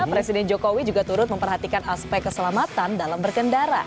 presiden jokowi juga turut memperhatikan aspek keselamatan dalam berkendara